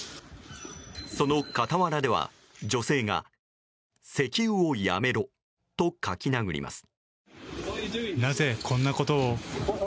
その傍らでは女性が「石油をやめろ」と書き殴ります。